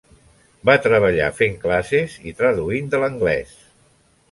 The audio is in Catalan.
Va treballar fent classes i traduint de l'anglès.